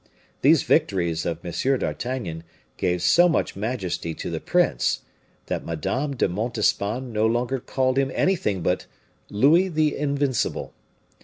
These victories of M. d'Artagnan gave so much majesty to the prince, that Madame de Montespan no longer called him anything but Louis the Invincible.